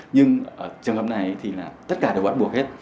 nhưng ở trường hợp này thì là tất cả đều bắt buộc hết